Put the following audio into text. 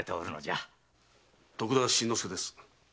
徳田新之助です。